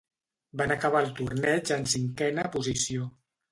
Van acabar el torneig en cinquena posició.